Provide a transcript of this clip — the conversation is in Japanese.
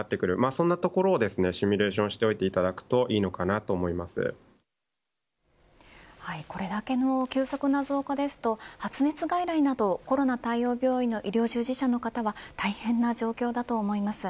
そんなところもシミュレーションしておくとこれだけの急速な増加ですと発熱外来など、コロナ対応病院の医療従事者の方は大変な状況だと思います。